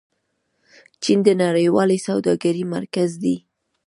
چین د نړیوالې سوداګرۍ مرکز دی.